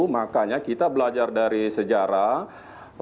makanya kita belajar dari sejarah